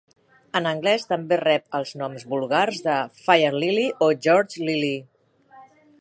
En anglès, també rep els noms vulgars de "fire lily" o "George lily".